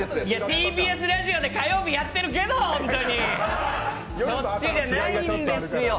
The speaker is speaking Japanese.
ＴＢＳラジオで火曜日やってるけどそっちじゃないんですよ。